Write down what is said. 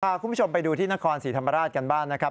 คุณผู้ชมไปดูที่นครศรีธรรมราชกันบ้างนะครับ